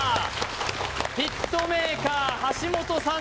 ヒットメーカー・橋本さん